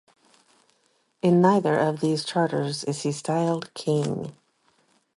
In neither of these charters is he styled king.